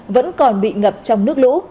vẫn còn bị ngập trong nước lũ